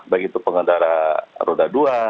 baik itu pengendara roda dua